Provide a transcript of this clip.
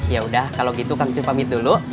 yaudah kalau gitu kangen cuy pamit dulu